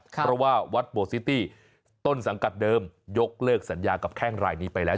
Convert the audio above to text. เพราะว่าวัดโบซิตี้ต้นสังกัดเดิมยกเลิกสัญญากับแข้งรายนี้ไปแล้ว